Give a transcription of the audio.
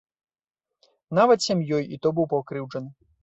Нават сям'ёй і то быў пакрыўджаны.